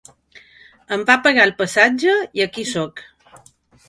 Em va pagar el passatge i aquí sóc.